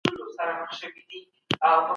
د علم رښتینی ماهیت خلکو ته روښانه سوی دی.